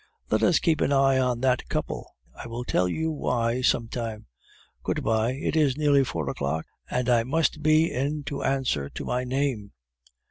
Let us keep an eye on that couple; I will tell you why some time. Good bye; it is nearly four o'clock, and I must be in to answer to my name."